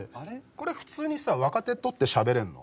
これ普通にさ若手とってしゃべれんの？